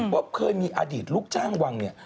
ว่าเคยมีอดีตลูกจ้างวังเนี่ย